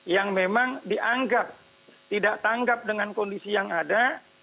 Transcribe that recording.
yang memang dianggap tidak tanggap dengan kondisi yang ada